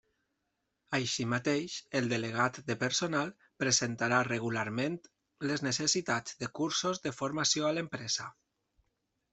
Així mateix, el delegat de personal presentarà regularment les necessitats de cursos de formació a l'empresa.